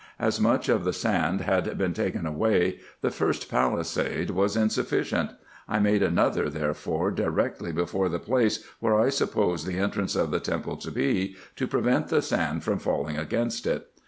As much of the sand had been taken away, the first palisade was insufficient. I made another, therefore, directly before the place where I supposed the IN EGYPT, NUBIA, &c. 101 entrance of the temple to be, to prevent the sand from falling against it.